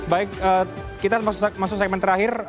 baik kita masuk segmen terakhir